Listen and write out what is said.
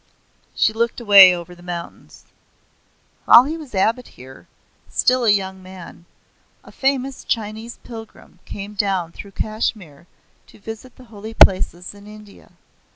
She looked away over the mountains. "While he was abbot here, still a young man, a famous Chinese Pilgrim came down through Kashmir to visit the Holy Places in India.